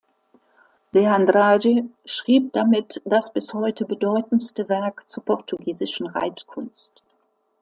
De Andrade schrieb damit das bis heute bedeutendste Werk zur portugiesischen Reitkunst.